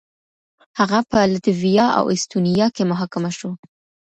هغه په لتويا او اېسټونيا کې محاکمه شو.